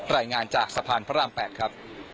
รายงานจากสะพานพระราม๘ครับ